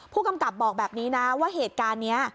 ผู้กำกับบอกแบบนี้นะว่าเหตุการณ์นี้